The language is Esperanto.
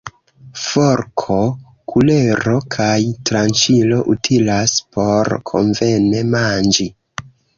Forko, kulero kaj tranĉilo utilas por konvene manĝi.